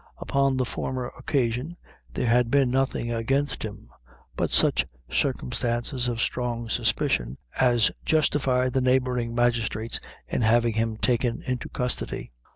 Upon the former occasion there had been nothing against him, but such circumstances of strong suspicion as justified the neighboring magistrates in having him taken into custody.